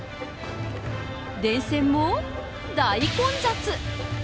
電線も大混雑。